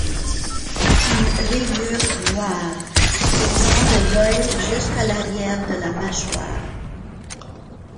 Une rayure noire s'étend de l’œil jusqu'à l'arrière de la mâchoire.